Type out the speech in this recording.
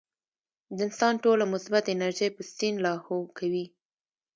د انسان ټوله مثبت انرجي پۀ سين لاهو کوي -